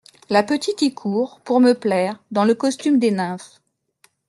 La petite y court, pour me plaire, dans le costume des nymphes.